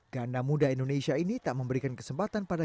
ganda muda indonesia ini tak memberikan kesempatan pada